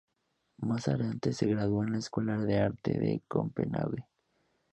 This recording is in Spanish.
Más adelante se graduó en la Escuela de Arte de Copenhague.